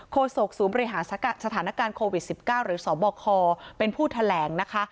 โศกศูนย์บริหารสถานการณ์โควิด๑๙หรือสบคเป็นผู้แถลงนะคะ